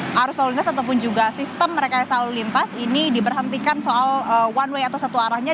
arus lalu lintas ataupun juga sistem rekayasa lalu lintas ini diberhentikan soal one way atau satu arahnya